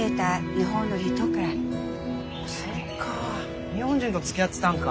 日本人とつきあってたんか。